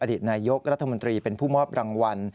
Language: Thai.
ตนายกรัฐมนตรีเป็นผู้มอบรางวัล